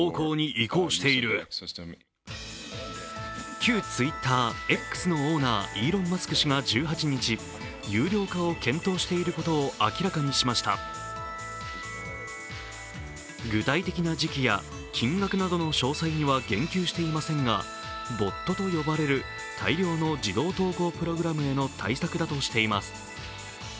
旧Ｔｗｉｔｔｅｒ、Ｘのオーナー、イーロン・マスク氏が１８日有料化を検討していることを明らかにしました具体的な時期や金額などの詳細には言及していませんが、ボットと呼ばれる大量の自動投稿プログラムへの対応だとしています。